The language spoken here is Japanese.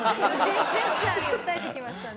ジェスチャーで訴えてきましたね。